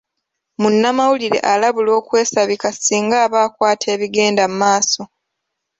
Munnamawulire alabulwa okwesabika singa aba akwata ebigenda maaso.